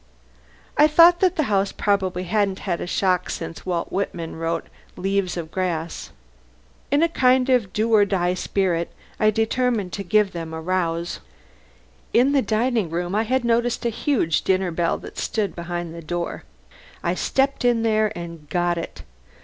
I thought that the house probably hadn't had a shock since Walt Whitman wrote "Leaves of Grass." In a kind of do or die spirit I determined to give them a rouse. In the dining room I had noticed a huge dinner bell that stood behind the door. I stepped in there, and got it.